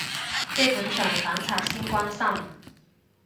基本上反賊先關心